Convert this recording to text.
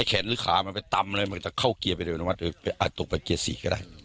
ไอ้แขนหรือขามันไปตำเลยมันก็จะเข้าเกียร์ไปด้วยนะว่าอาจตกไปเกียร์๔ก็ได้